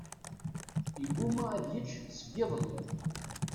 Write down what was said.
Iguma ad yečč seg iḍelli.